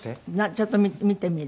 ちょっと見てみる。